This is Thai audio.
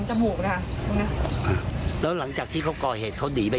จมูกน่ะตรงเนี้ยอ่าแล้วหลังจากที่เขาก่อเหตุเขาดีไป